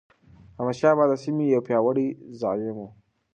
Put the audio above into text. احمدشاه بابا د سیمې یو پیاوړی زعیم و.